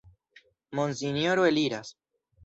Monsinjoro eliras!